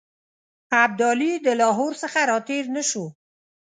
ابدالي د لاهور څخه را تېر نه شو.